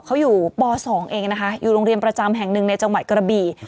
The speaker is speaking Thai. เขาอยู่ป๒เองนะคะอยู่โรงเรียนประจำแห่งหนึ่งในจังหวัดกระบี่